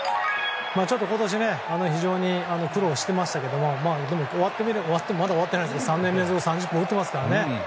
ちょっと今年非常に苦労していましたがでも終わってまだ終わってない３年連続３０本打ってますからね。